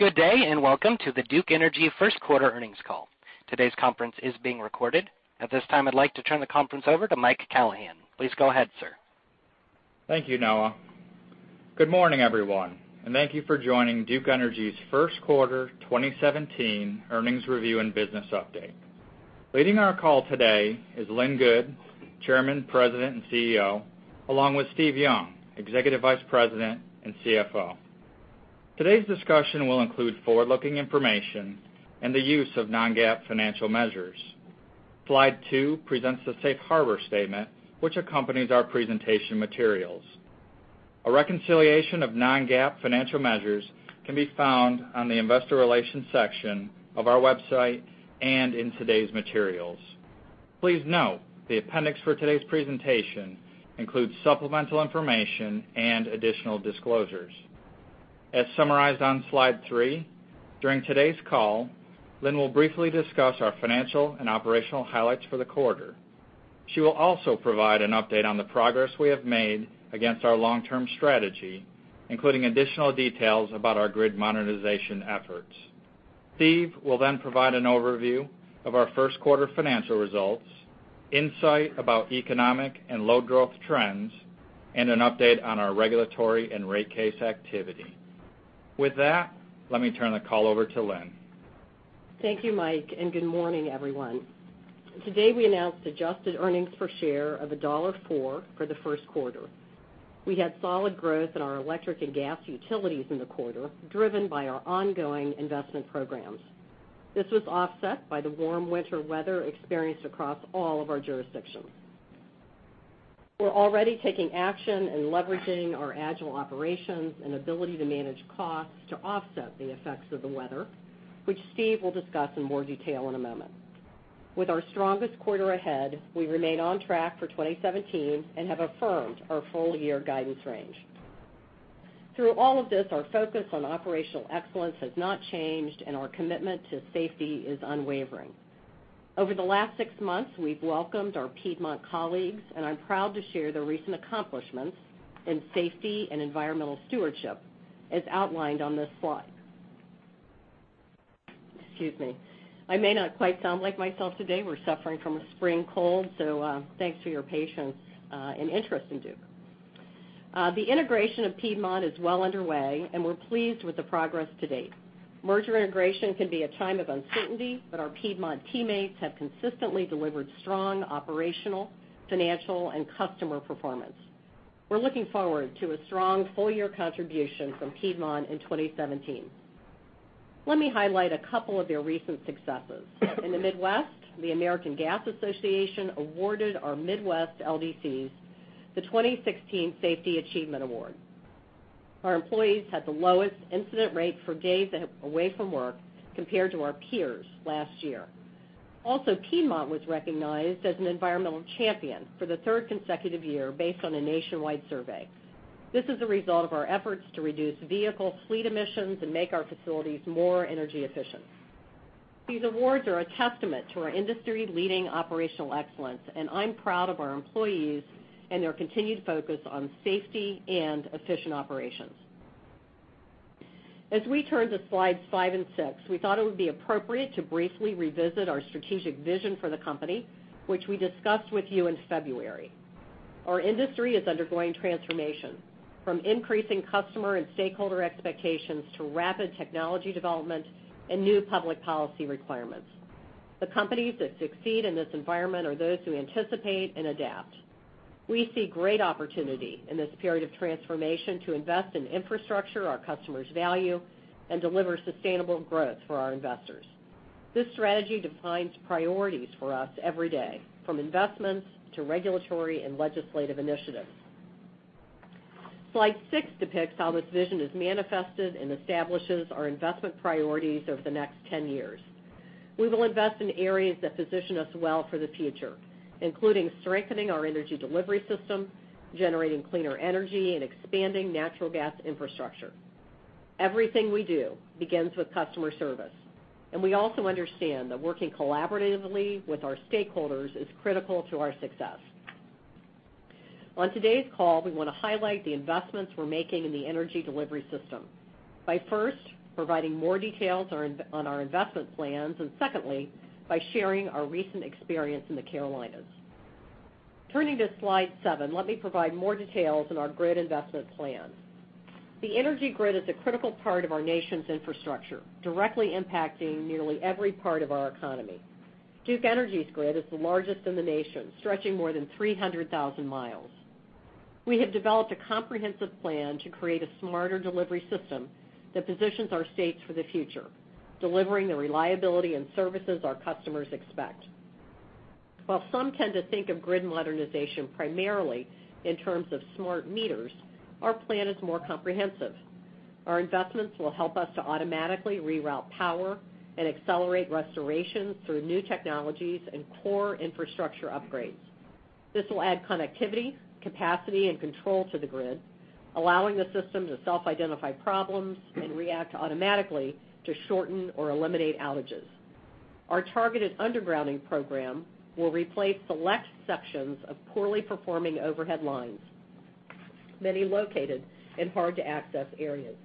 Good day, welcome to the Duke Energy first quarter earnings call. Today's conference is being recorded. At this time, I'd like to turn the conference over to Mike Callahan. Please go ahead, sir. Thank you, Noah. Good morning, everyone, thank you for joining Duke Energy's first quarter 2017 earnings review and business update. Leading our call today is Lynn Good, Chairman, President, and CEO, along with Steve Young, Executive Vice President and CFO. Today's discussion will include forward-looking information and the use of non-GAAP financial measures. Slide two presents the safe harbor statement which accompanies our presentation materials. A reconciliation of non-GAAP financial measures can be found on the investor relations section of our website and in today's materials. Please note, the appendix for today's presentation includes supplemental information and additional disclosures. As summarized on slide three, during today's call, Lynn will briefly discuss our financial and operational highlights for the quarter. She will also provide an update on the progress we have made against our long-term strategy, including additional details about our grid modernization efforts. Steve will provide an overview of our first quarter financial results, insight about economic and load growth trends, and an update on our regulatory and rate case activity. With that, let me turn the call over to Lynn. Thank you, Mike, good morning, everyone. Today, we announced adjusted earnings per share of $1.04 for the first quarter. We had solid growth in our electric and gas utilities in the quarter, driven by our ongoing investment programs. This was offset by the warm winter weather experienced across all of our jurisdictions. We're already taking action and leveraging our agile operations and ability to manage costs to offset the effects of the weather, which Steve will discuss in more detail in a moment. With our strongest quarter ahead, we remain on track for 2017 and have affirmed our full-year guidance range. Through all of this, our focus on operational excellence has not changed, our commitment to safety is unwavering. Over the last six months, we've welcomed our Piedmont colleagues, and I'm proud to share their recent accomplishments in safety and environmental stewardship as outlined on this slide. Excuse me. I may not quite sound like myself today. We're suffering from a spring cold. Thanks for your patience and interest in Duke. The integration of Piedmont is well underway and we're pleased with the progress to date. Merger integration can be a time of uncertainty. Our Piedmont teammates have consistently delivered strong operational, financial, and customer performance. We're looking forward to a strong full-year contribution from Piedmont in 2017. Let me highlight a couple of their recent successes. In the Midwest, the American Gas Association awarded our Midwest LDCs the 2016 Safety Achievement Award. Our employees had the lowest incident rate for days away from work compared to our peers last year. Piedmont was recognized as an environmental champion for the third consecutive year based on a nationwide survey. This is a result of our efforts to reduce vehicle fleet emissions and make our facilities more energy efficient. These awards are a testament to our industry-leading operational excellence. I'm proud of our employees and their continued focus on safety and efficient operations. As we turn to slides five and six, we thought it would be appropriate to briefly revisit our strategic vision for the company, which we discussed with you in February. Our industry is undergoing transformation, from increasing customer and stakeholder expectations to rapid technology development and new public policy requirements. The companies that succeed in this environment are those who anticipate and adapt. We see great opportunity in this period of transformation to invest in infrastructure our customers value and deliver sustainable growth for our investors. This strategy defines priorities for us every day, from investments to regulatory and legislative initiatives. Slide six depicts how this vision is manifested and establishes our investment priorities over the next 10 years. We will invest in areas that position us well for the future, including strengthening our energy delivery system, generating cleaner energy, and expanding natural gas infrastructure. Everything we do begins with customer service. We also understand that working collaboratively with our stakeholders is critical to our success. On today's call, we want to highlight the investments we're making in the energy delivery system by first providing more details on our investment plans and secondly, by sharing our recent experience in the Carolinas. Turning to slide seven, let me provide more details on our grid investment plan. The energy grid is a critical part of our nation's infrastructure, directly impacting nearly every part of our economy. Duke Energy's grid is the largest in the nation, stretching more than 300,000 miles. We have developed a comprehensive plan to create a smarter delivery system that positions our states for the future, delivering the reliability and services our customers expect. While some tend to think of grid modernization primarily in terms of smart meters, our plan is more comprehensive. Our investments will help us to automatically reroute power and accelerate restoration through new technologies and core infrastructure upgrades. This will add connectivity, capacity, and control to the grid, allowing the system to self-identify problems and react automatically to shorten or eliminate outages. Our targeted undergrounding program will replace select sections of poorly performing overhead lines, many located in hard-to-access areas.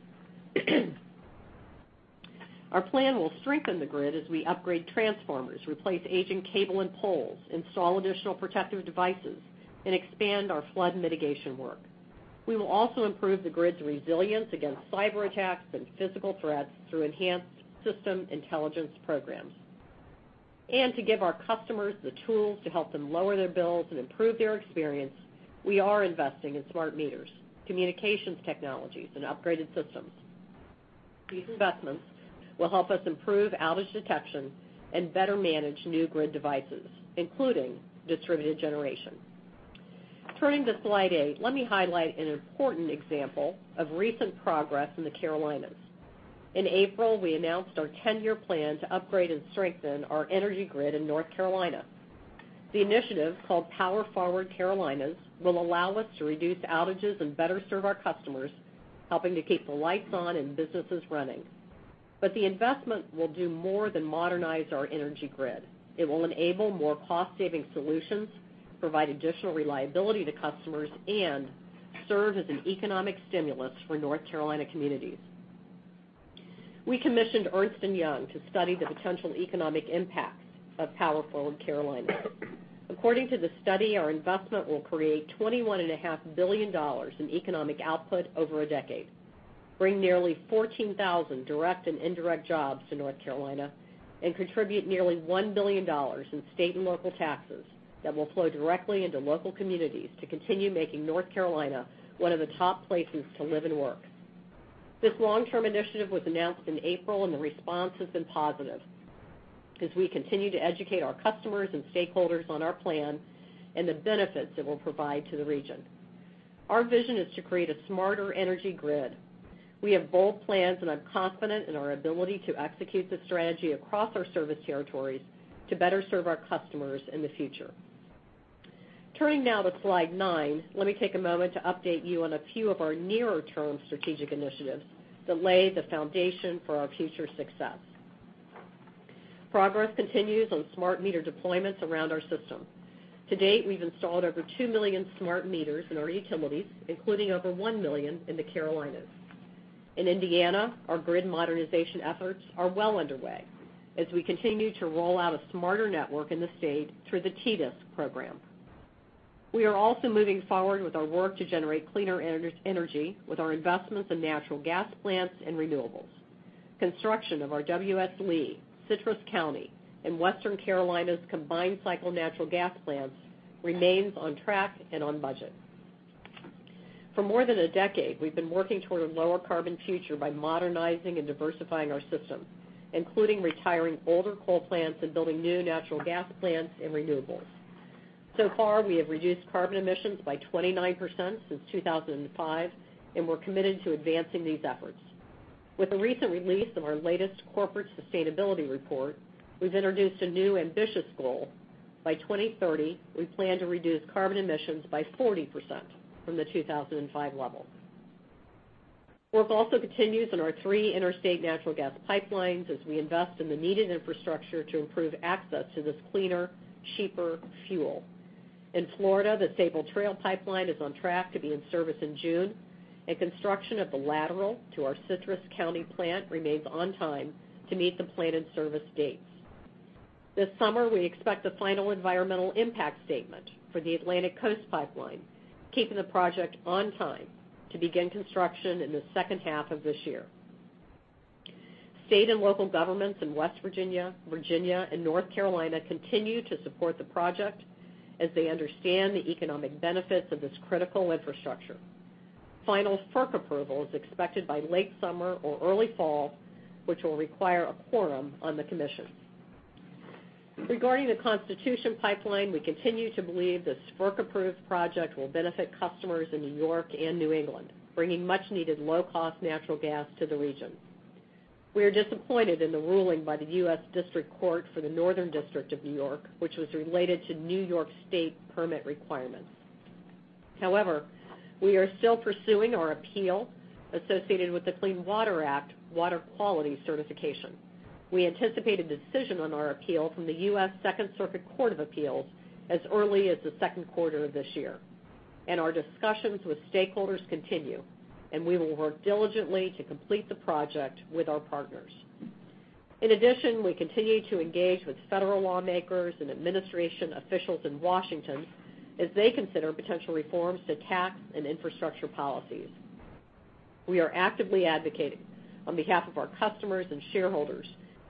Our plan will strengthen the grid as we upgrade transformers, replace aging cable and poles, install additional protective devices, and expand our flood mitigation work. We will also improve the grid's resilience against cyberattacks and physical threats through enhanced system intelligence programs. To give our customers the tools to help them lower their bills and improve their experience, we are investing in smart meters, communications technologies, and upgraded systems. These investments will help us improve outage detection and better manage new grid devices, including distributed generation. Turning to slide eight, let me highlight an important example of recent progress in the Carolinas. In April, we announced our 10-year plan to upgrade and strengthen our energy grid in North Carolina. The initiative, called Power Forward Carolinas, will allow us to reduce outages and better serve our customers, helping to keep the lights on and businesses running. The investment will do more than modernize our energy grid. It will enable more cost-saving solutions, provide additional reliability to customers, and serve as an economic stimulus for North Carolina communities. We commissioned Ernst & Young to study the potential economic impacts of Power Forward Carolinas. According to the study, our investment will create $21.5 billion in economic output over a decade, bring nearly 14,000 direct and indirect jobs to North Carolina, and contribute nearly $1 billion in state and local taxes that will flow directly into local communities to continue making North Carolina one of the top places to live and work. This long-term initiative was announced in April. The response has been positive as we continue to educate our customers and stakeholders on our plan and the benefits it will provide to the region. Our vision is to create a smarter energy grid. We have bold plans, and I'm confident in our ability to execute the strategy across our service territories to better serve our customers in the future. Turning now to slide nine, let me take a moment to update you on a few of our nearer-term strategic initiatives that lay the foundation for our future success. Progress continues on smart meter deployments around our system. To date, we've installed over 2 million smart meters in our utilities, including over 1 million in the Carolinas. In Indiana, our grid modernization efforts are well underway as we continue to roll out a smarter network in the state through the T-DISC program. We are also moving forward with our work to generate cleaner energy with our investments in natural gas plants and renewables. Construction of our W.S. Lee, Citrus County, and Western Carolinas combined-cycle natural gas plants remains on track and on budget. For more than a decade, we've been working toward a lower-carbon future by modernizing and diversifying our system, including retiring older coal plants and building new natural gas plants and renewables. So far, we have reduced carbon emissions by 29% since 2005. We're committed to advancing these efforts. With the recent release of our latest corporate sustainability report, we've introduced a new ambitious goal. By 2030, we plan to reduce carbon emissions by 40% from the 2005 levels. Work also continues on our three interstate natural gas pipelines as we invest in the needed infrastructure to improve access to this cleaner, cheaper fuel. In Florida, the Sabal Trail pipeline is on track to be in service in June, and construction of the lateral to our Citrus County plant remains on time to meet the planned in-service dates. This summer, we expect the final environmental impact statement for the Atlantic Coast Pipeline, keeping the project on time to begin construction in the second half of this year. State and local governments in West Virginia, and North Carolina continue to support the project as they understand the economic benefits of this critical infrastructure. Final FERC approval is expected by late summer or early fall, which will require a quorum on the commission. Regarding the Constitution Pipeline, we continue to believe this FERC-approved project will benefit customers in New York and New England, bringing much-needed low-cost natural gas to the region. We are disappointed in the ruling by the U.S. District Court for the Northern District of New York, which was related to New York State permit requirements. We are still pursuing our appeal associated with the Clean Water Act water quality certification. We anticipate a decision on our appeal from the U.S. Second Circuit Court of Appeals as early as the second quarter of this year. Our discussions with stakeholders continue, and we will work diligently to complete the project with our partners. In addition, we continue to engage with federal lawmakers and administration officials in Washington as they consider potential reforms to tax and infrastructure policies. We are actively advocating on behalf of our customers and shareholders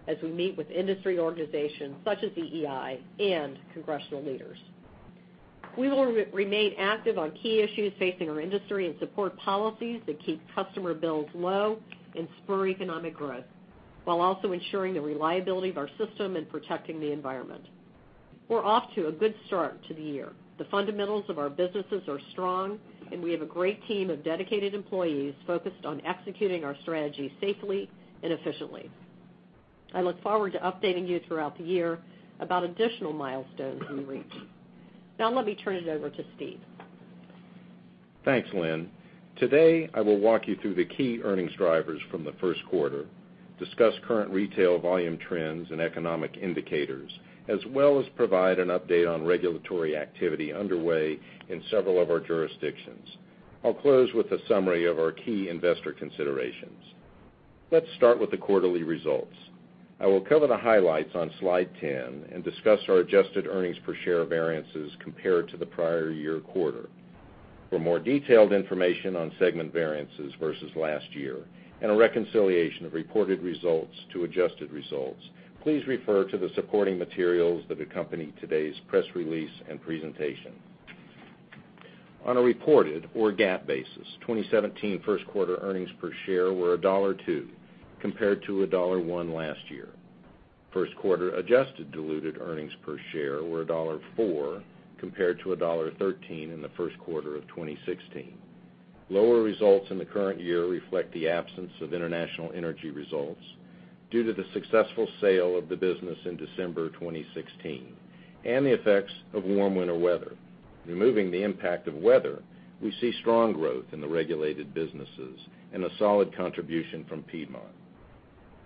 as we meet with industry organizations such as the EEI and congressional leaders. We will remain active on key issues facing our industry and support policies that keep customer bills low and spur economic growth while also ensuring the reliability of our system and protecting the environment. We're off to a good start to the year. The fundamentals of our businesses are strong. We have a great team of dedicated employees focused on executing our strategy safely and efficiently. I look forward to updating you throughout the year about additional milestones we reach. Now let me turn it over to Steve. Thanks, Lynn. Today, I will walk you through the key earnings drivers from the first quarter, discuss current retail volume trends and economic indicators, as well as provide an update on regulatory activity underway in several of our jurisdictions. I'll close with a summary of our key investor considerations. Let's start with the quarterly results. I will cover the highlights on slide 10 and discuss our adjusted earnings per share variances compared to the prior year quarter. For more detailed information on segment variances versus last year, and a reconciliation of reported results to adjusted results, please refer to the supporting materials that accompany today's press release and presentation. On a reported or GAAP basis, 2017 first quarter earnings per share were $1.02, compared to $1.01 last year. First quarter adjusted diluted earnings per share were $1.04, compared to $1.13 in the first quarter of 2016. Lower results in the current year reflect the absence of international energy results due to the successful sale of the business in December 2016, and the effects of warm winter weather. Removing the impact of weather, we see strong growth in the regulated businesses and a solid contribution from Piedmont.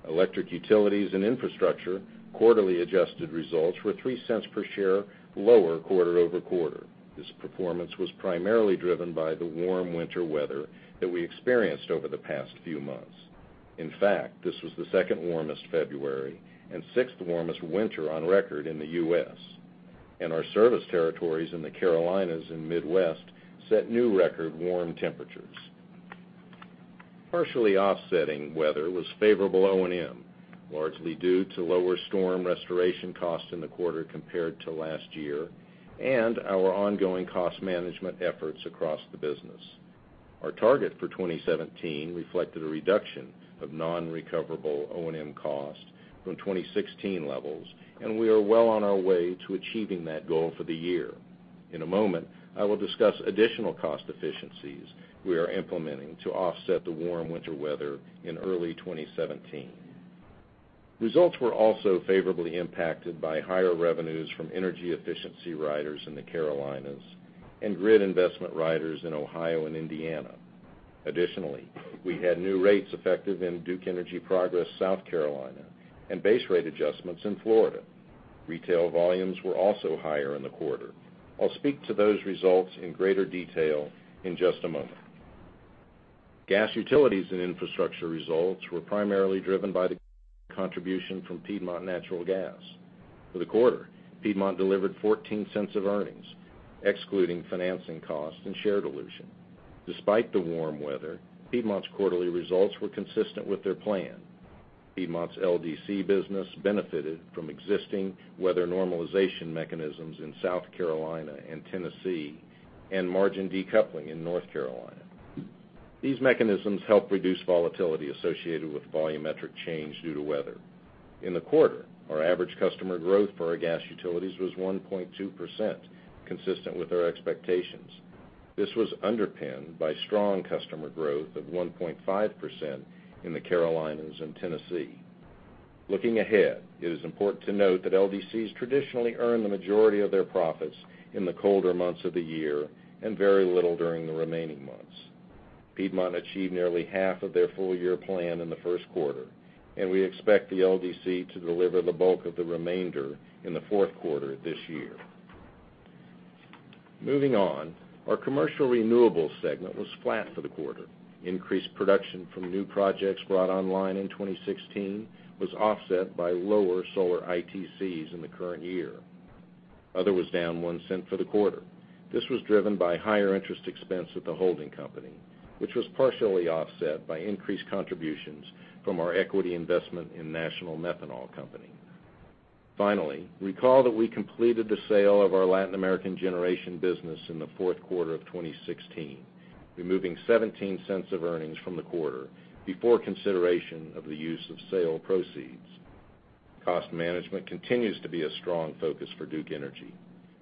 Electric utilities and infrastructure quarterly adjusted results were $0.03 per share lower quarter-over-quarter. This performance was primarily driven by the warm winter weather that we experienced over the past few months. In fact, this was the second warmest February and sixth warmest winter on record in the U.S., and our service territories in the Carolinas and Midwest set new record warm temperatures. Partially offsetting weather was favorable O&M, largely due to lower storm restoration costs in the quarter compared to last year, and our ongoing cost management efforts across the business. Our target for 2017 reflected a reduction of non-recoverable O&M costs from 2016 levels, and we are well on our way to achieving that goal for the year. In a moment, I will discuss additional cost efficiencies we are implementing to offset the warm winter weather in early 2017. Results were also favorably impacted by higher revenues from energy efficiency riders in the Carolinas and grid investment riders in Ohio and Indiana. Additionally, we had new rates effective in Duke Energy Progress South Carolina and base rate adjustments in Florida. Retail volumes were also higher in the quarter. I'll speak to those results in greater detail in just a moment. Gas, utilities, and infrastructure results were primarily driven by the contribution from Piedmont Natural Gas. For the quarter, Piedmont delivered $0.14 of earnings, excluding financing costs and share dilution. Despite the warm weather, Piedmont's quarterly results were consistent with their plan. Piedmont's LDC business benefited from existing weather normalization mechanisms in South Carolina and Tennessee and margin decoupling in North Carolina. These mechanisms help reduce volatility associated with volumetric change due to weather. In the quarter, our average customer growth for our gas utilities was 1.2%, consistent with our expectations. This was underpinned by strong customer growth of 1.5% in the Carolinas and Tennessee. Looking ahead, it is important to note that LDCs traditionally earn the majority of their profits in the colder months of the year and very little during the remaining months. Piedmont achieved nearly half of their full year plan in the first quarter, and we expect the LDC to deliver the bulk of the remainder in the fourth quarter this year. Moving on, our commercial renewables segment was flat for the quarter. Increased production from new projects brought online in 2016 was offset by lower solar ITCs in the current year. Other was down $0.01 for the quarter. This was driven by higher interest expense at the holding company, which was partially offset by increased contributions from our equity investment in National Methanol Company. Finally, recall that we completed the sale of our Latin American generation business in the fourth quarter of 2016, removing $0.17 of earnings from the quarter before consideration of the use of sale proceeds. Cost management continues to be a strong focus for Duke Energy.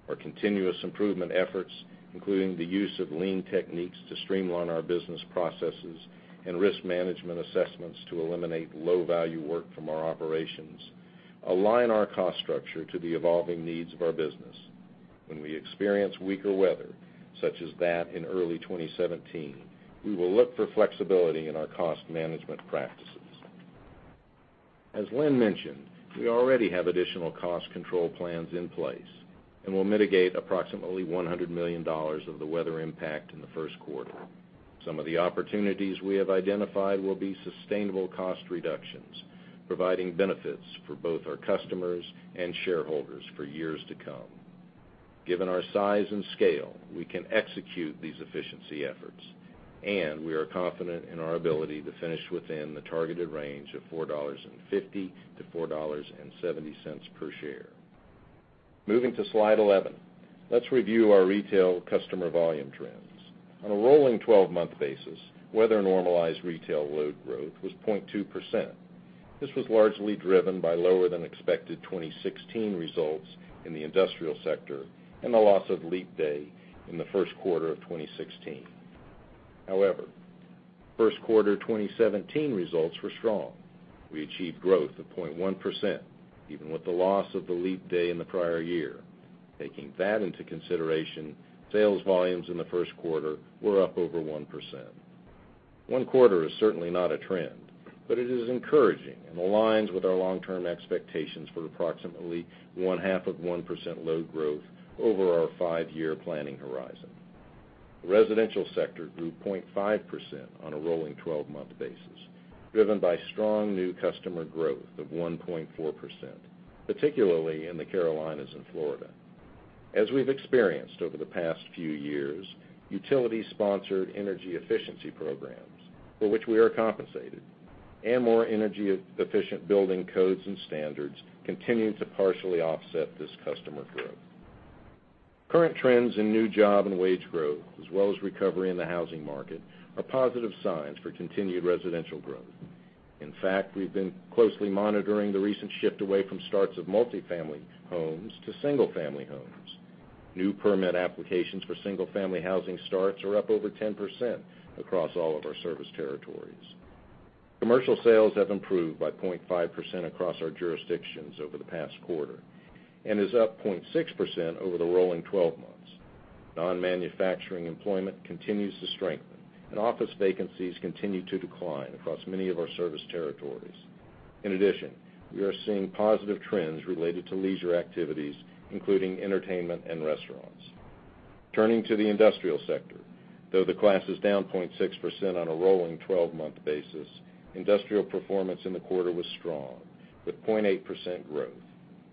Our continuous improvement efforts, including the use of lean techniques to streamline our business processes and risk management assessments to eliminate low-value work from our operations, align our cost structure to the evolving needs of our business. When we experience weaker weather, such as that in early 2017, we will look for flexibility in our cost management practices. As Lynn mentioned, we already have additional cost control plans in place and will mitigate approximately $100 million of the weather impact in the first quarter. Some of the opportunities we have identified will be sustainable cost reductions, providing benefits for both our customers and shareholders for years to come. Given our size and scale, we can execute these efficiency efforts, and we are confident in our ability to finish within the targeted range of $4.50-$4.70 per share. Moving to slide 11. Let's review our retail customer volume trends. On a rolling 12-month basis, weather normalized retail load growth was 0.2%. This was largely driven by lower than expected 2016 results in the industrial sector and the loss of leap day in the first quarter of 2016. First quarter 2017 results were strong. We achieved growth of 0.1%, even with the loss of the leap day in the prior year. Taking that into consideration, sales volumes in the first quarter were up over 1%. One quarter is certainly not a trend, but it is encouraging and aligns with our long-term expectations for approximately one-half of 1% load growth over our five-year planning horizon. The residential sector grew 0.5% on a rolling 12-month basis, driven by strong new customer growth of 1.4%, particularly in the Carolinas and Florida. As we've experienced over the past few years, utility-sponsored energy efficiency programs, for which we are compensated, and more energy-efficient building codes and standards continue to partially offset this customer growth. Current trends in new job and wage growth, as well as recovery in the housing market, are positive signs for continued residential growth. In fact, we've been closely monitoring the recent shift away from starts of multi-family homes to single-family homes. New permit applications for single-family housing starts are up over 10% across all of our service territories. Commercial sales have improved by 0.5% across our jurisdictions over the past quarter and is up 0.6% over the rolling 12 months. Non-manufacturing employment continues to strengthen, and office vacancies continue to decline across many of our service territories. In addition, we are seeing positive trends related to leisure activities, including entertainment and restaurants. Turning to the industrial sector, though the class is down 0.6% on a rolling 12-month basis, industrial performance in the quarter was strong, with 0.8% growth.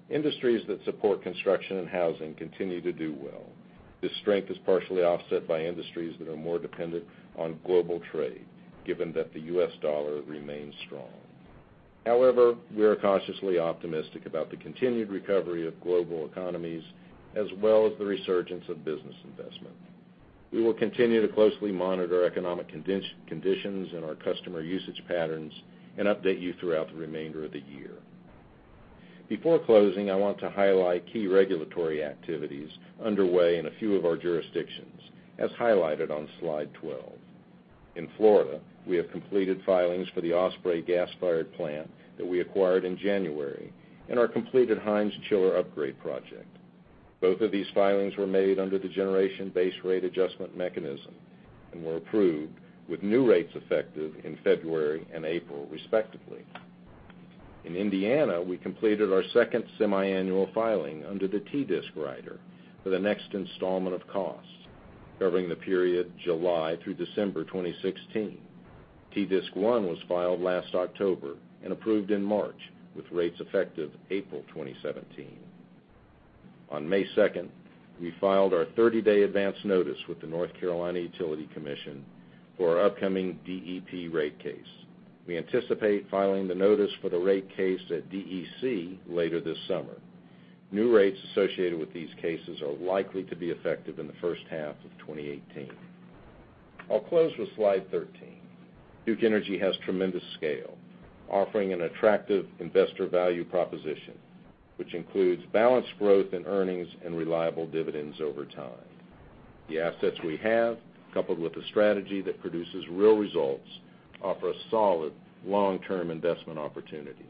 Industries that support construction and housing continue to do well. This strength is partially offset by industries that are more dependent on global trade, given that the U.S. dollar remains strong. We are cautiously optimistic about the continued recovery of global economies, as well as the resurgence of business investment. We will continue to closely monitor economic conditions and our customer usage patterns and update you throughout the remainder of the year. Before closing, I want to highlight key regulatory activities underway in a few of our jurisdictions, as highlighted on slide 12. In Florida, we have completed filings for the Osprey gas-fired plant that we acquired in January and our completed Hines chiller upgrade project. Both of these filings were made under the generation base rate adjustment mechanism and were approved with new rates effective in February and April, respectively. In Indiana, we completed our second semiannual filing under the T-DISC rider for the next installment of costs, covering the period July through December 2016. T-DISC 1 was filed last October and approved in March, with rates effective April 2017. On May 2nd, we filed our 30-day advance notice with the North Carolina Utilities Commission for our upcoming DEP rate case. We anticipate filing the notice for the rate case at DEC later this summer. New rates associated with these cases are likely to be effective in the first half of 2018. I'll close with slide 13. Duke Energy has tremendous scale, offering an attractive investor value proposition, which includes balanced growth in earnings and reliable dividends over time. The assets we have, coupled with a strategy that produces real results, offer a solid long-term investment opportunity.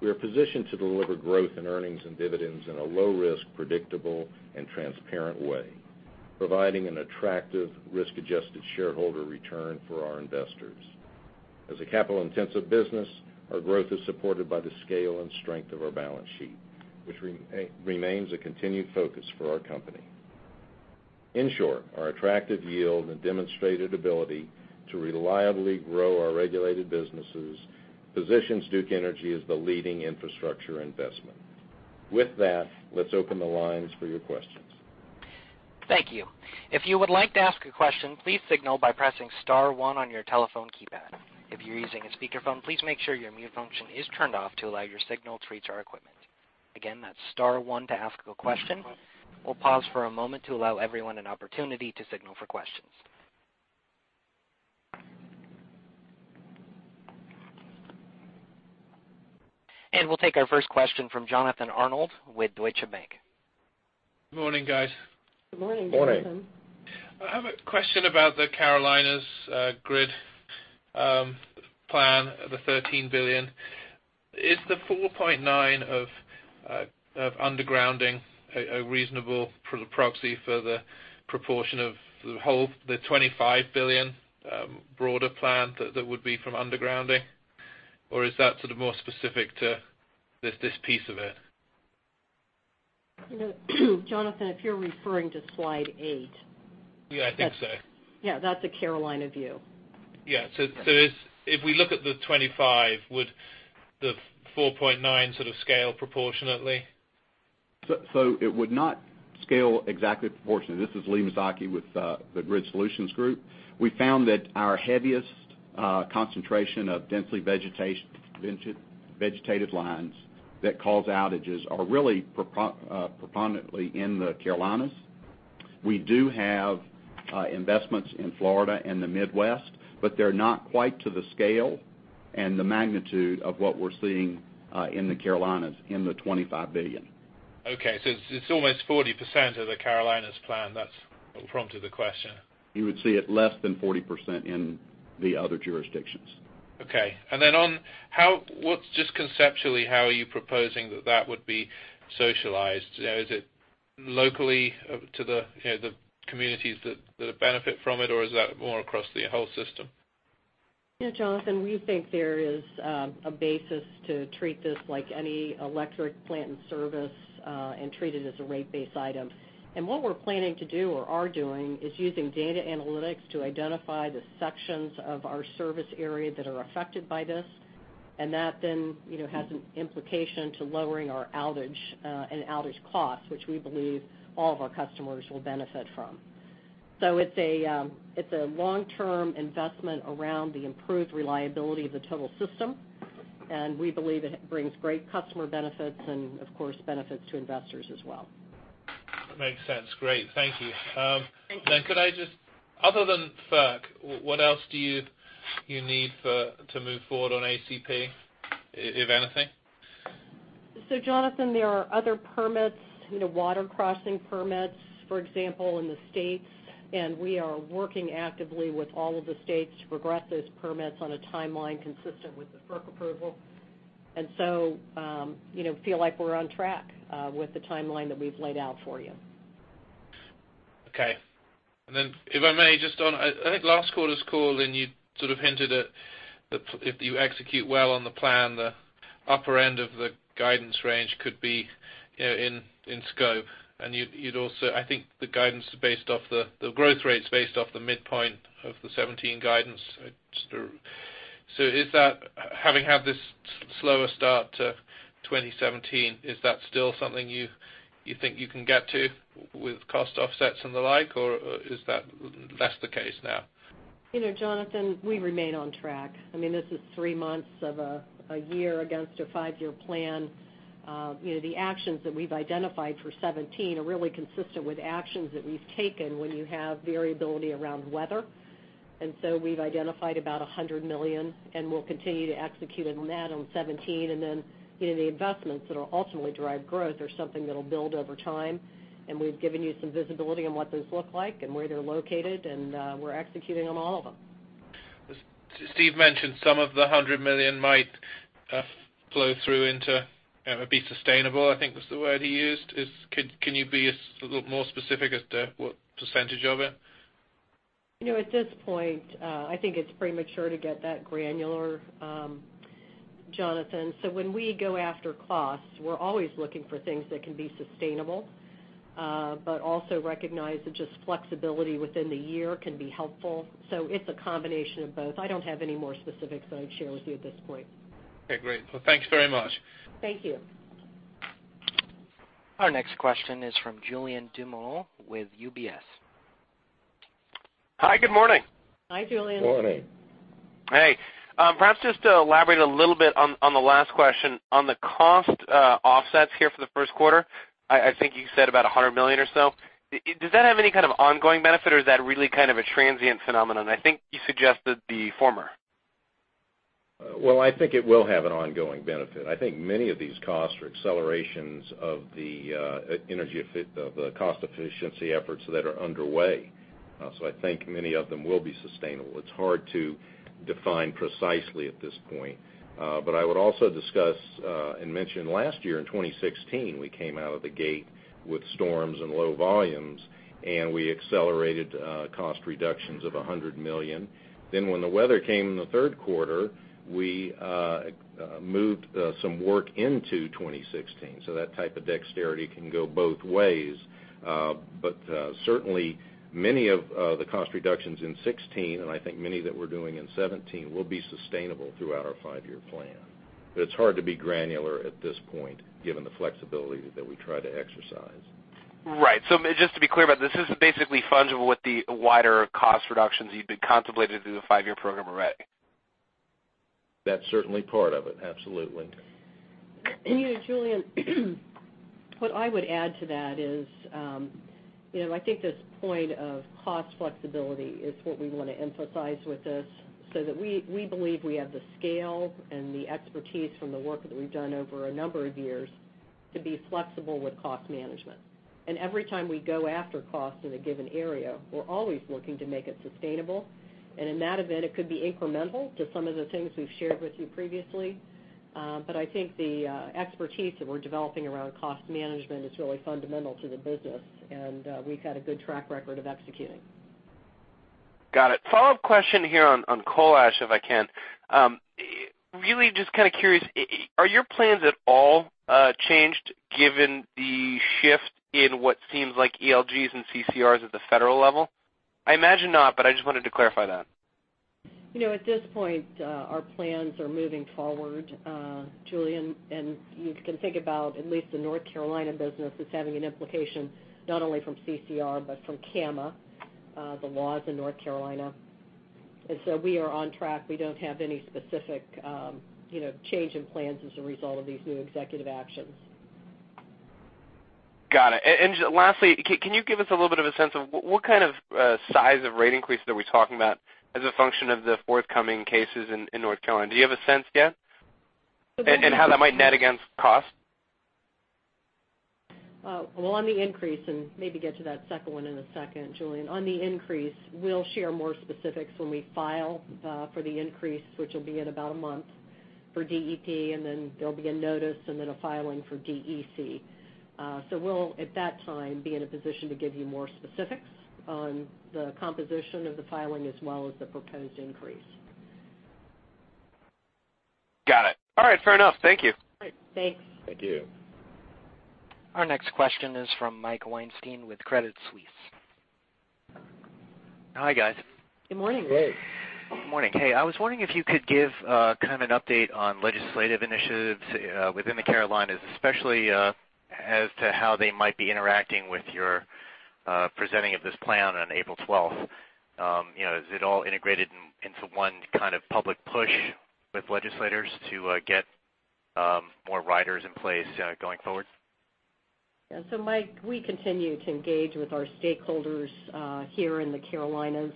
We are positioned to deliver growth in earnings and dividends in a low-risk, predictable, and transparent way, providing an attractive risk-adjusted shareholder return for our investors. As a capital-intensive business, our growth is supported by the scale and strength of our balance sheet, which remains a continued focus for our company. In short, our attractive yield and demonstrated ability to reliably grow our regulated businesses positions Duke Energy as the leading infrastructure investment. With that, let's open the lines for your questions. Thank you. If you would like to ask a question, please signal by pressing star one on your telephone keypad. If you're using a speakerphone, please make sure your mute function is turned off to allow your signal to reach our equipment. Again, that's star one to ask a question. We'll pause for a moment to allow everyone an opportunity to signal for questions. We'll take our first question from Jonathan Arnold with Deutsche Bank. Morning, guys. Good morning. I have a question about the Carolinas grid plan, the $13 billion. Is the $4.9 billion of undergrounding a reasonable proxy for the proportion of the whole $25 billion broader plan that would be from undergrounding? Or is that sort of more specific to this piece of it? Jonathan, if you're referring to slide eight. Yeah, I think so. Yeah. That's a Carolinas view. Yeah. If we look at the $25 billion, would the $4.9 billion sort of scale proportionately? It would not scale exactly proportionately. This is Lee Mazzocchi with the Grid Solutions Group. We found that our heaviest concentration of densely vegetated lines that cause outages are really predominantly in the Carolinas. We do have investments in Florida and the Midwest, but they're not quite to the scale and the magnitude of what we're seeing in the Carolinas in the $25 billion. Okay. It's almost 40% of the Carolinas plan. That's what prompted the question. You would see it less than 40% in the other jurisdictions. Okay. Then, just conceptually, how are you proposing that that would be socialized? Is it locally to the communities that benefit from it, or is that more across the whole system? Jonathan, we think there is a basis to treat this like any electric plant and service, and treat it as a rate-based item. What we're planning to do or are doing is using data analytics to identify the sections of our service area that are affected by this. That then has an implication to lowering our outage and outage costs, which we believe all of our customers will benefit from. It's a long-term investment around the improved reliability of the total system, and we believe it brings great customer benefits and, of course, benefits to investors as well. Makes sense. Great. Thank you. Thank you. Could I other than FERC, what else do you need to move forward on ACP, if anything? Jonathan, there are other permits, water crossing permits, for example, in the states, and we are working actively with all of the states to progress those permits on a timeline consistent with the FERC approval. Feel like we're on track with the timeline that we've laid out for you. Okay. If I may, I think last quarter's call, Lynn, you sort of hinted at if you execute well on the plan, the upper end of the guidance range could be in scope. You'd also, I think the growth rate's based off the midpoint of the 2017 guidance. Having had this slower start to 2017, is that still something you think you can get to with cost offsets and the like, or is that less the case now? Jonathan, we remain on track. I mean, this is three months of a year against a five-year plan. The actions that we've identified for 2017 are really consistent with actions that we've taken when you have variability around weather. We've identified about $100 million, and we'll continue to execute on that on 2017. The investments that'll ultimately drive growth are something that'll build over time. We've given you some visibility on what those look like and where they're located, and we're executing on all of them. Steve mentioned some of the $100 million might flow through into be sustainable, I think was the word he used. Can you be a little more specific as to what % of it? At this point, I think it's premature to get that granular, Jonathan. When we go after costs, we're always looking for things that can be sustainable, but also recognize that just flexibility within the year can be helpful. It's a combination of both. I don't have any more specifics that I'd share with you at this point. Okay, great. Well, thanks very much. Thank you. Our next question is from Julien Dumoulin with UBS. Hi, good morning. Hi, Julien. Morning. Hey. Perhaps just to elaborate a little bit on the last question, on the cost offsets here for the first quarter, I think you said about $100 million or so. Does that have any kind of ongoing benefit, or is that really kind of a transient phenomenon? I think you suggested the former. Well, I think it will have an ongoing benefit. I think many of these costs are accelerations of the cost efficiency efforts that are underway. I think many of them will be sustainable. It's hard to define precisely at this point. I would also discuss and mention last year in 2016, we came out of the gate with storms and low volumes, we accelerated cost reductions of $100 million. When the weather came in the third quarter, we moved some work into 2016. That type of dexterity can go both ways. Certainly, many of the cost reductions in 2016, and I think many that we're doing in 2017 will be sustainable throughout our five-year plan. It's hard to be granular at this point, given the flexibility that we try to exercise. Right. Just to be clear about it, this is basically fungible with the wider cost reductions you've been contemplating through the five-year program already. That's certainly part of it. Absolutely. Julien, what I would add to that is I think this point of cost flexibility is what we want to emphasize with this. We believe we have the scale and the expertise from the work that we've done over a number of years to be flexible with cost management. Every time we go after cost in a given area, we're always looking to make it sustainable. In that event, it could be incremental to some of the things we've shared with you previously. I think the expertise that we're developing around cost management is really fundamental to the business, and we've had a good track record of executing. Got it. Follow-up question here on coal ash, if I can. Really just kind of curious, are your plans at all changed given the shift in what seems like ELGs and CCRs at the federal level? I imagine not, but I just wanted to clarify that. At this point, our plans are moving forward, Julien, and you can think about at least the North Carolina business that's having an implication not only from CCR, but from CAMA, the laws in North Carolina. We are on track. We don't have any specific change in plans as a result of these new executive actions. Got it. Lastly, can you give us a little bit of a sense of what kind of size of rate increase are we talking about as a function of the forthcoming cases in North Carolina? Do you have a sense yet? How that might net against cost? Well, on the increase, maybe get to that second one in a second, Julien. On the increase, we'll share more specifics when we file for the increase, which will be in about a month for DEP, and then there'll be a notice and then a filing for DEC. We'll, at that time, be in a position to give you more specifics on the composition of the filing as well as the proposed increase. Got it. All right. Fair enough. Thank you. All right, thanks. Thank you. Our next question is from Michael Weinstein with Credit Suisse. Hi, guys. Good morning. Good. Good morning. Hey, I was wondering if you could give an update on legislative initiatives within the Carolinas, especially as to how they might be interacting with your presenting of this plan on April 12th. Is it all integrated into one kind of public push with legislators to get more riders in place going forward? Yeah. Mike, we continue to engage with our stakeholders here in the Carolinas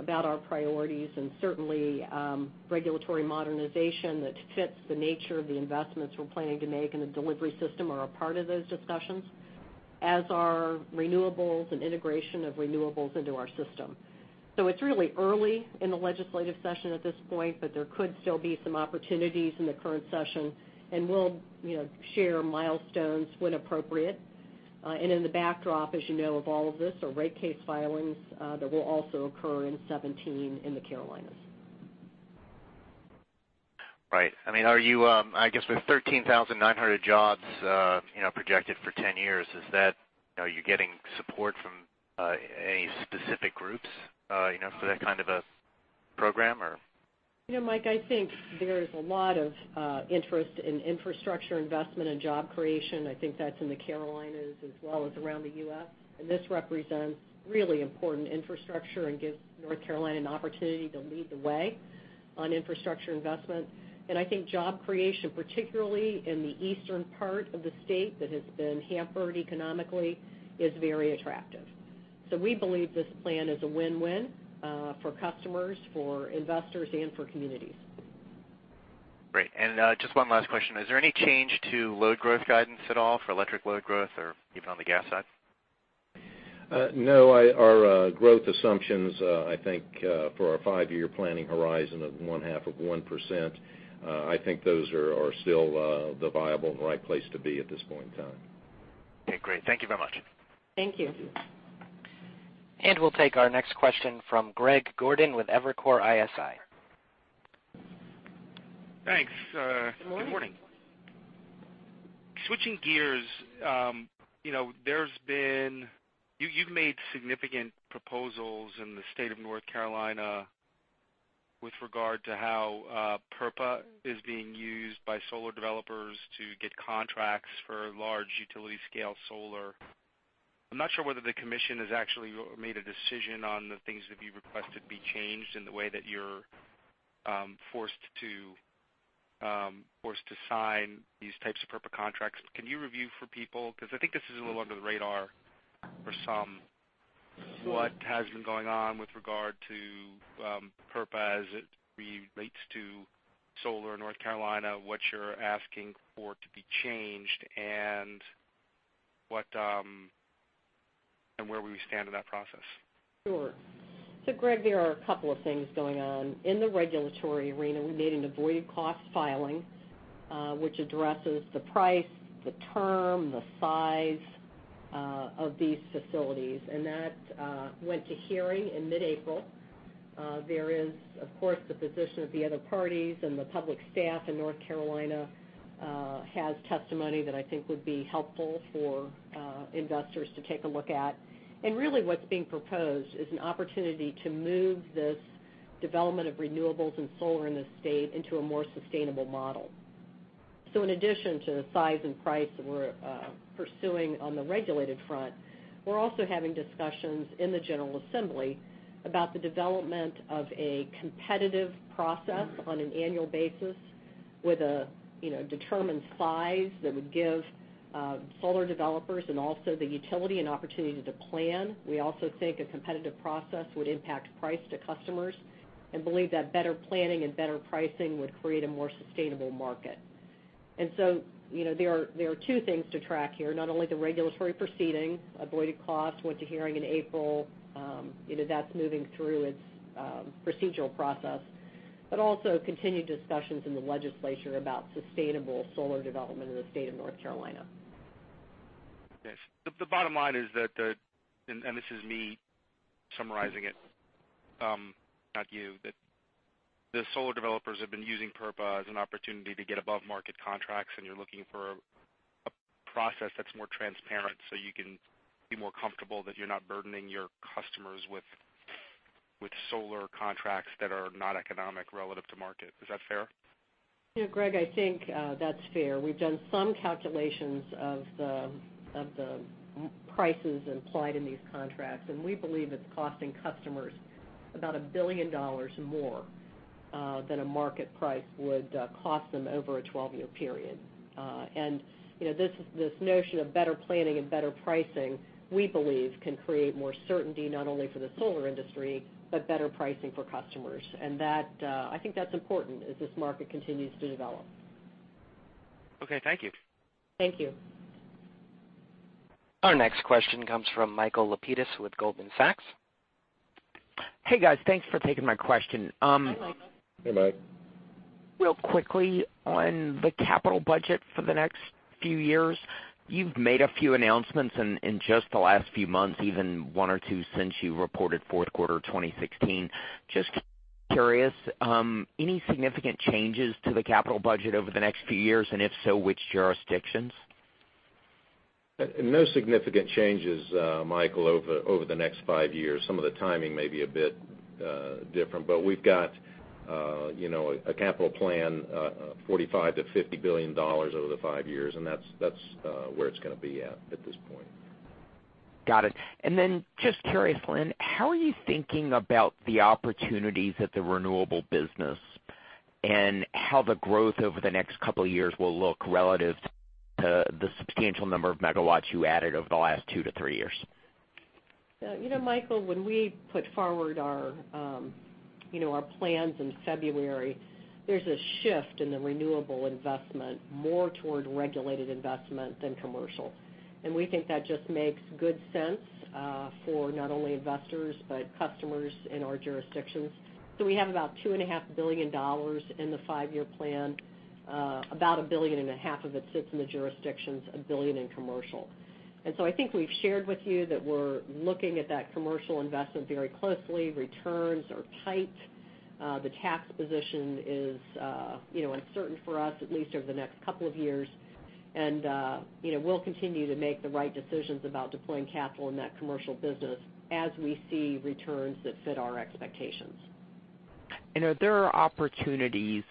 about our priorities and certainly regulatory modernization that fits the nature of the investments we're planning to make in the delivery system are a part of those discussions, as are renewables and integration of renewables into our system. It's really early in the legislative session at this point, but there could still be some opportunities in the current session, and we'll share milestones when appropriate. In the backdrop, as you know, of all of this, are rate case filings that will also occur in 2017 in the Carolinas. Right. I guess with 13,900 jobs projected for 10 years, are you getting support from any specific groups for that kind of a program or? Mike, I think there's a lot of interest in infrastructure investment and job creation. I think that's in the Carolinas as well as around the U.S. This represents really important infrastructure and gives North Carolina an opportunity to lead the way on infrastructure investment. I think job creation, particularly in the eastern part of the state that has been hampered economically, is very attractive. We believe this plan is a win-win for customers, for investors and for communities. Great. Just one last question. Is there any change to load growth guidance at all for electric load growth or even on the gas side? No. Our growth assumptions, I think for our five-year planning horizon of one half of 1%, I think those are still the viable and right place to be at this point in time. Okay, great. Thank you very much. Thank you. We'll take our next question from Greg Gordon with Evercore ISI. Thanks. Good morning. Good morning. Switching gears, you've made significant proposals in the state of North Carolina with regard to how PURPA is being used by solar developers to get contracts for large utility-scale solar. I'm not sure whether the commission has actually made a decision on the things that you requested be changed in the way that you're forced to sign these types of PURPA contracts. Can you review for people, because I think this is a little under the radar for some. Sure What has been going on with regard to PURPA as it relates to solar in North Carolina, what you're asking for to be changed, and where we stand in that process? Sure. Greg, there are a couple of things going on in the regulatory arena relating to avoided cost filing, which addresses the price, the term, the size of these facilities. That went to hearing in mid-April. There is, of course, the position of the other parties and the public staff in North Carolina has testimony that I think would be helpful for investors to take a look at. Really what's being proposed is an opportunity to move this development of renewables and solar in the state into a more sustainable model. In addition to the size and price that we're pursuing on the regulated front, we're also having discussions in the general assembly about the development of a competitive process on an annual basis with a determined size that would give solar developers and also the utility an opportunity to plan. We also think a competitive process would impact price to customers and believe that better planning and better pricing would create a more sustainable market. There are two things to track here, not only the regulatory proceeding, avoided cost went to hearing in April. That's moving through its procedural process, but also continued discussions in the legislature about sustainable solar development in the state of North Carolina. Yes. The bottom line is that, and this is me summarizing it, not you, that the solar developers have been using PURPA as an opportunity to get above-market contracts. You're looking for a process that's more transparent so you can be more comfortable that you're not burdening your customers with solar contracts that are not economic relative to market. Is that fair? Yeah, Greg, I think that's fair. We've done some calculations of the prices implied in these contracts, and we believe it's costing customers about $1 billion more than a market price would cost them over a 12-year period. This notion of better planning and better pricing, we believe can create more certainty not only for the solar industry, but better pricing for customers. I think that's important as this market continues to develop. Okay. Thank you. Thank you. Our next question comes from Michael Lapides with Goldman Sachs. Hey, guys. Thanks for taking my question. Hi, Michael. Hey, Mike. Real quickly, on the capital budget for the next few years, you've made a few announcements in just the last few months, even one or two since you reported fourth quarter 2016. Just curious, any significant changes to the capital budget over the next few years? If so, which jurisdictions? No significant changes, Michael, over the next five years. Some of the timing may be a bit different, but we've got a capital plan, $45 billion-$50 billion over the five years, and that's where it's going to be at this point. Got it. Then just curious, Lynn, how are you thinking about the opportunities at the renewable business and how the growth over the next couple of years will look relative to the substantial number of megawatts you added over the last two to three years? Michael, when we put forward our plans in February, there's a shift in the renewable investment more toward regulated investment than commercial. We think that just makes good sense for not only investors, but customers in our jurisdictions. We have about $2.5 billion in the five-year plan. About $1.5 billion of it sits in the jurisdictions, $1 billion in commercial. I think we've shared with you that we're looking at that commercial investment very closely. Returns are tight. The tax position is uncertain for us, at least over the next couple of years. We'll continue to make the right decisions about deploying capital in that commercial business as we see returns that fit our expectations. Are there opportunities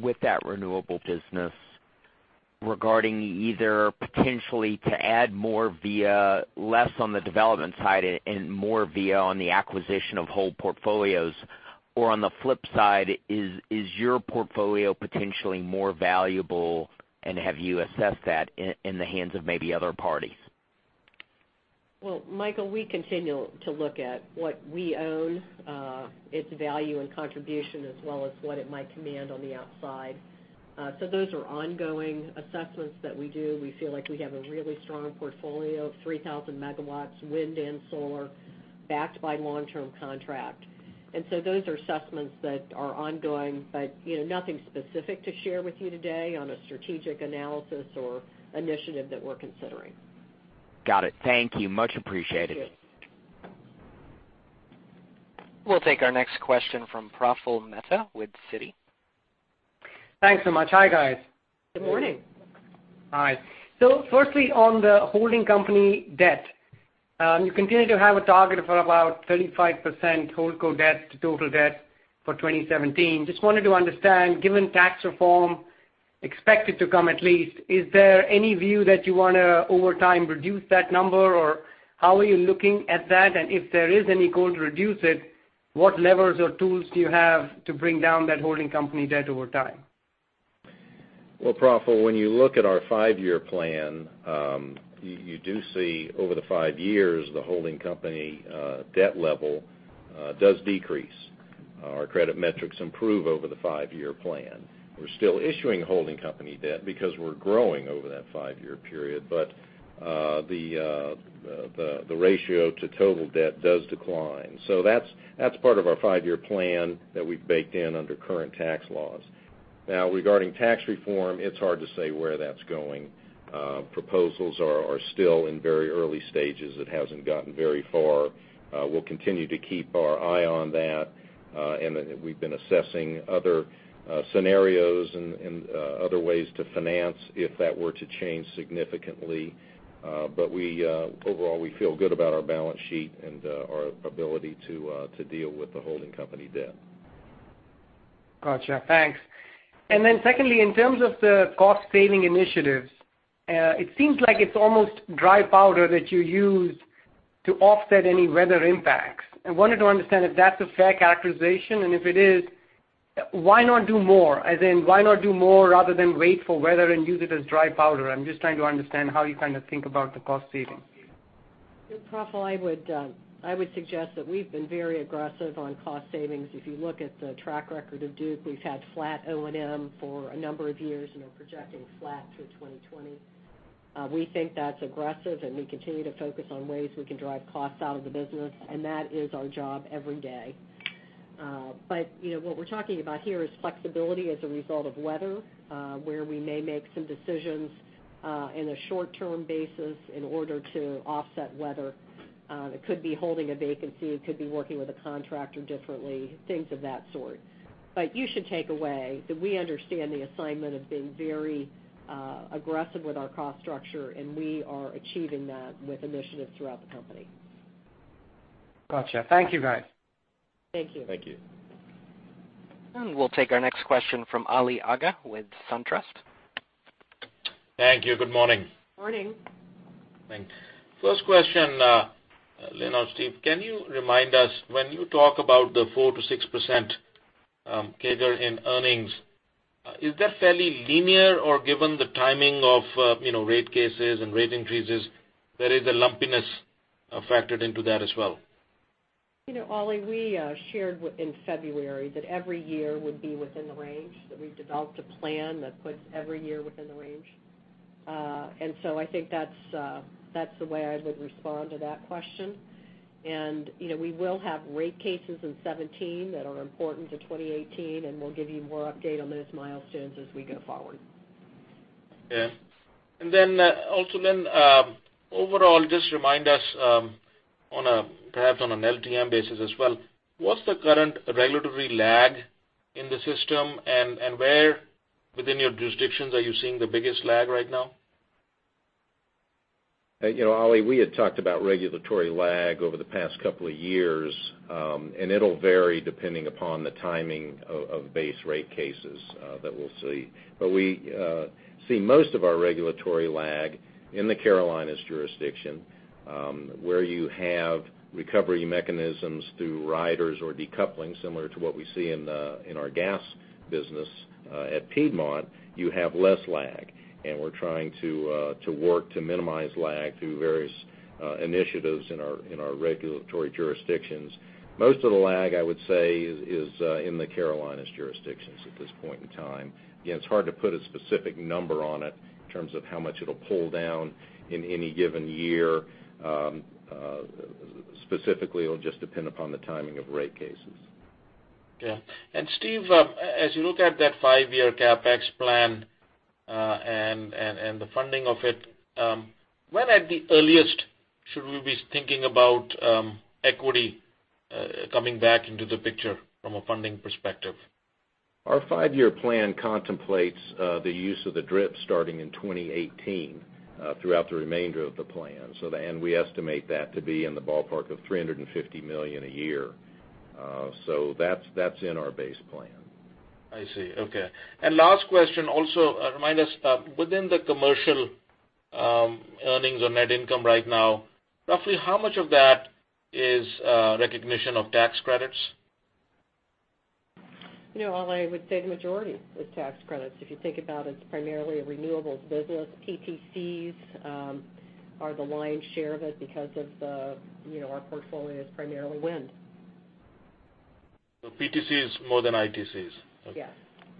with that renewable business regarding either potentially to add more via less on the development side and more via on the acquisition of whole portfolios? On the flip side, is your portfolio potentially more valuable, and have you assessed that in the hands of maybe other parties? Well, Michael, we continue to look at what we own, its value and contribution, as well as what it might command on the outside. Those are ongoing assessments that we do. We feel like we have a really strong portfolio of 3,000 megawatts, wind and solar, backed by long-term contract. Those are assessments that are ongoing, but nothing specific to share with you today on a strategic analysis or initiative that we're considering. Got it. Thank you. Much appreciated. Thank you. We'll take our next question from Praful Mehta with Citi. Thanks so much. Hi, guys. Good morning. Hi. Firstly, on the holding company debt. You continue to have a target of about 35% holdco debt to total debt for 2017. Just wanted to understand, given tax reform expected to come at least, is there any view that you want to, over time, reduce that number? How are you looking at that? If there is any goal to reduce it, what levers or tools do you have to bring down that holding company debt over time? Well, Praful, when you look at our five-year plan, you do see over the five years, the holding company debt level does decrease. Our credit metrics improve over the five-year plan. We're still issuing holding company debt because we're growing over that five-year period. The ratio to total debt does decline. That's part of our five-year plan that we've baked in under current tax laws. Now, regarding tax reform, it's hard to say where that's going. Proposals are still in very early stages. It hasn't gotten very far. We'll continue to keep our eye on that, and we've been assessing other scenarios and other ways to finance if that were to change significantly. Overall, we feel good about our balance sheet and our ability to deal with the holding company debt. Gotcha. Thanks. Secondly, in terms of the cost-saving initiatives, it seems like it's almost dry powder that you use to offset any weather impacts. I wanted to understand if that's a fair characterization, and if it is, why not do more? As in, why not do more rather than wait for weather and use it as dry powder? I'm just trying to understand how you kind of think about the cost savings. Praful, I would suggest that we've been very aggressive on cost savings. If you look at the track record of Duke Energy, we've had flat O&M for a number of years, and are projecting flat through 2020. We think that's aggressive, and we continue to focus on ways we can drive costs out of the business, and that is our job every day. What we're talking about here is flexibility as a result of weather, where we may make some decisions in a short-term basis in order to offset weather. It could be holding a vacancy, it could be working with a contractor differently, things of that sort. You should take away that we understand the assignment of being very aggressive with our cost structure, and we are achieving that with initiatives throughout the company. Got you. Thank you, guys. Thank you. Thank you. We'll take our next question from Ali Agha with SunTrust. Thank you. Good morning. Morning. Thanks. First question. Lynn or Steve, can you remind us when you talk about the 4%-6% CAGR in earnings, is that fairly linear or given the timing of rate cases and rate increases, there is a lumpiness factored into that as well? Ali, we shared in February that every year would be within the range, that we've developed a plan that puts every year within the range. I think that's the way I would respond to that question. We will have rate cases in 2017 that are important to 2018, and we'll give you more update on those milestones as we go forward. Yeah. Lynn, overall, just remind us perhaps on an LTM basis as well, what's the current regulatory lag in the system and where within your jurisdictions are you seeing the biggest lag right now? Ali, we had talked about regulatory lag over the past couple of years. It'll vary depending upon the timing of base rate cases that we'll see. We see most of our regulatory lag in the Carolinas jurisdiction, where you have recovery mechanisms through riders or decoupling, similar to what we see in our gas business at Piedmont, you have less lag. We're trying to work to minimize lag through various initiatives in our regulatory jurisdictions. Most of the lag, I would say, is in the Carolinas jurisdictions at this point in time. Again, it's hard to put a specific number on it in terms of how much it'll pull down in any given year. Specifically, it'll just depend upon the timing of rate cases. Yeah. Steve, as you look at that five-year CapEx plan, and the funding of it, when at the earliest should we be thinking about equity coming back into the picture from a funding perspective? Our five-year plan contemplates the use of the DRIP starting in 2018 throughout the remainder of the plan. We estimate that to be in the ballpark of $350 million a year. That's in our base plan. I see. Okay. Last question, also, remind us within the commercial earnings or net income right now, roughly how much of that is recognition of tax credits? Ali, I would say the majority is tax credits. If you think about it's primarily a renewables business. PTCs are the lion's share of it because our portfolio is primarily wind. PTC is more than ITCs? Yes.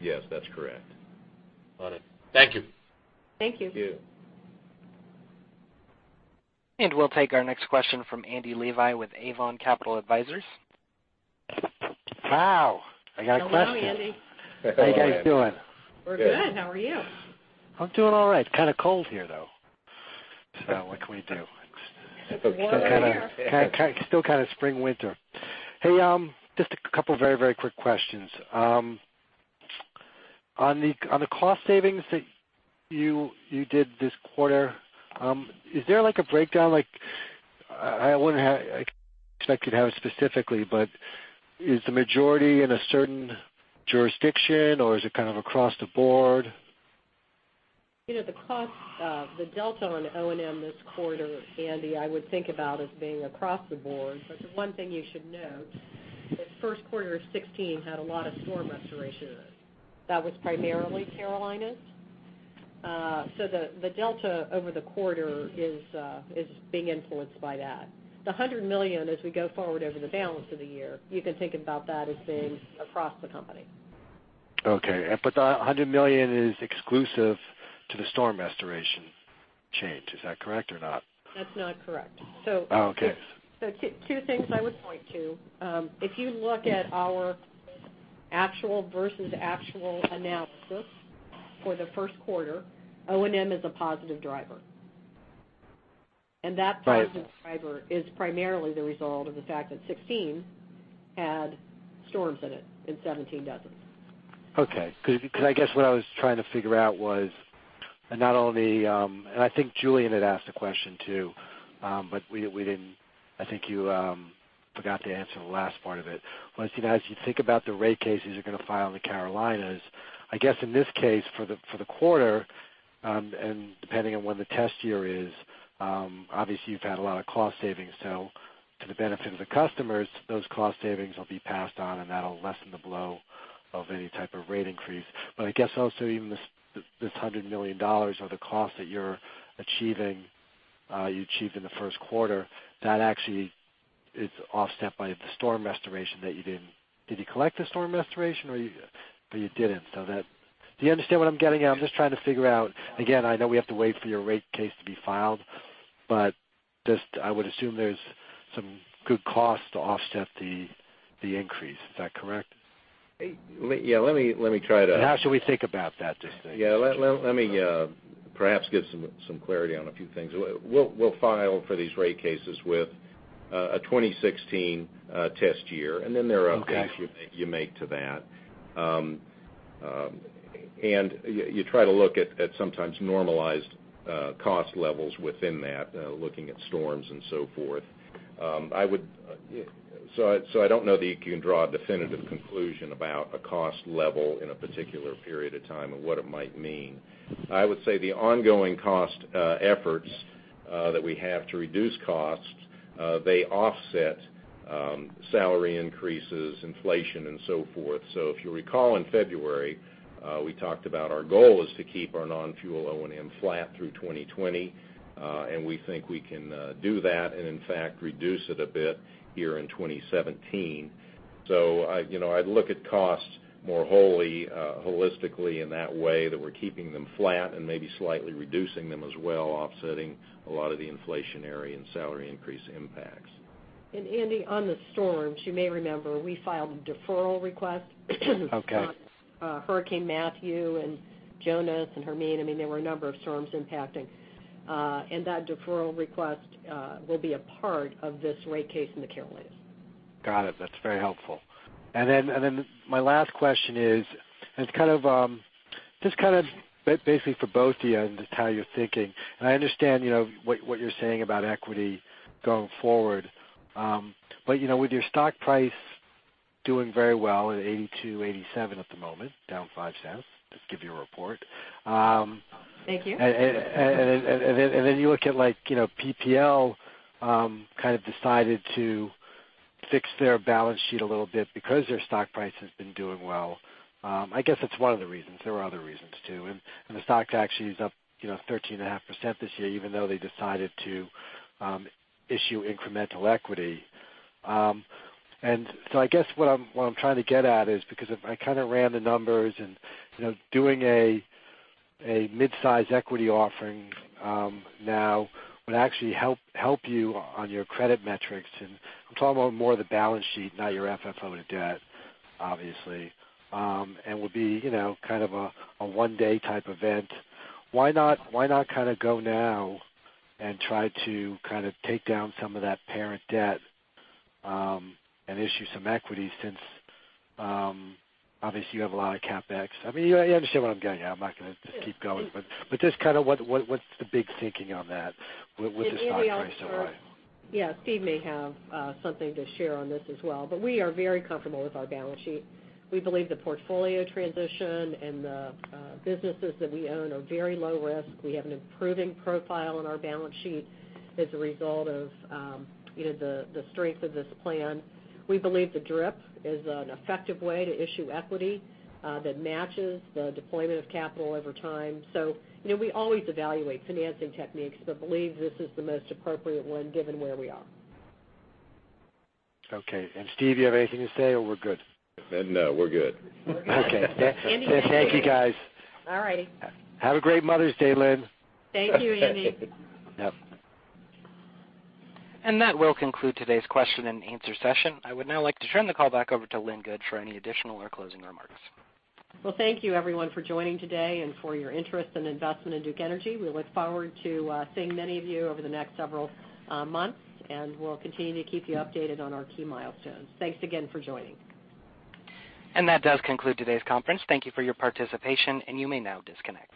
Yes, that's correct. Got it. Thank you. Thank you. Thank you. We'll take our next question from Andrew Levi with Avon Capital Advisors. Wow, I got a question. Hello, Andy. Hello, Andy. How you guys doing? We're good. How are you? I'm doing all right. Kind of cold here, though. What can we do? Get some water. Still kind of spring-winter. Hey, just a couple very quick questions. On the cost savings that you did this quarter, is there a breakdown? I wouldn't expect you'd have it specifically, but is the majority in a certain jurisdiction or is it kind of across the board? The cost of the delta on O&M this quarter, Andy, I would think about as being across the board. The one thing you should note is first quarter of 2016 had a lot of storm restoration in it. That was primarily Carolinas. The delta over the quarter is being influenced by that. The $100 million as we go forward over the balance of the year, you can think about that as being across the company. Okay. The $100 million is exclusive to the storm restoration change. Is that correct or not? That is not correct. Okay. Two things I would point to. If you look at our actual versus actual analysis for the first quarter, O&M is a positive driver. Right. That positive driver is primarily the result of the fact that 2016 had storms in it, and 2017 does not. Okay. I guess what I was trying to figure out was, and I think Julien had asked a question, too, but I think you forgot to answer the last part of it. As you think about the rate cases you're going to file in the Carolinas, I guess in this case for the quarter, and depending on when the test year is, obviously you've had a lot of cost savings. To the benefit of the customers, those cost savings will be passed on, and that'll lessen the blow of any type of rate increase. I guess also even this $100 million or the cost that you achieved in the first quarter, that actually is offset by the storm restoration that you didn't-- did you collect the storm restoration or you didn't? Do you understand what I'm getting at? I'm just trying to figure out, again, I know we have to wait for your rate case to be filed, but just I would assume there's some good cost to offset the increase. Is that correct? Yeah, let me try to. How should we think about that distinction? Let me perhaps give some clarity on a few things. We'll file for these rate cases with a 2016 test year, and then there are updates. Okay You make to that. You try to look at sometimes normalizing cost levels within that, looking at storms and so forth. I don't know that you can draw a definitive conclusion about a cost level in a particular period of time and what it might mean. I would say the ongoing cost efforts that we have to reduce costs, they offset salary increases, inflation, and so forth. If you recall, in February, we talked about our goal is to keep our non-fuel O&M flat through 2020, and we think we can do that, and in fact, reduce it a bit here in 2017. I'd look at costs more holistically in that way that we're keeping them flat and maybe slightly reducing them as well, offsetting a lot of the inflationary and salary increase impacts. Andy, on the storms, you may remember, we filed a deferral request. Okay on Hurricane Matthew and Jonas and Hermine. There were a number of storms impacting. That deferral request will be a part of this rate case in the Carolinas. Got it. That's very helpful. My last question is, just kind of basically for both of you and just how you're thinking, I understand what you're saying about equity going forward. With your stock price doing very well at $82.87 at the moment, down $0.05, just give you a report. Thank you. You look at PPL kind of decided to fix their balance sheet a little bit because their stock price has been doing well. I guess that's one of the reasons. There were other reasons, too. The stock's actually up 13.5% this year, even though they decided to issue incremental equity. I guess what I'm trying to get at is, because I kind of ran the numbers and doing a midsize equity offering now would actually help you on your credit metrics. I'm talking about more the balance sheet, not your FFO and debt, obviously. Would be kind of a 1-day type event. Why not kind of go now and try to take down some of that parent debt, and issue some equity since obviously you have a lot of CapEx? You understand where I'm going. I'm not going to just keep going. Just what's the big thinking on that with the stock price so high? Yeah. Steve may have something to share on this as well. We are very comfortable with our balance sheet. We believe the portfolio transition and the businesses that we own are very low risk. We have an improving profile on our balance sheet as a result of the strength of this plan. We believe the DRIP is an effective way to issue equity that matches the deployment of capital over time. We always evaluate financing techniques, but believe this is the most appropriate one given where we are. Okay. Steve, you have anything to say, or we're good? No, we're good. Okay. Andy- Thank you, guys. All right. Have a great Mother's Day, Lynn. Thank you, Andy. Yep. That will conclude today's question and answer session. I would now like to turn the call back over to Lynn Good for any additional or closing remarks. Well, thank you everyone for joining today and for your interest and investment in Duke Energy. We look forward to seeing many of you over the next several months, and we'll continue to keep you updated on our key milestones. Thanks again for joining. That does conclude today's conference. Thank you for your participation, and you may now disconnect.